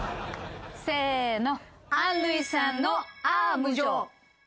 せーの。